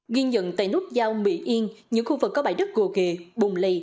nghiên nhận tại nút giao mỹ yên những khu vực có bãi đất gồ ghề bùng lầy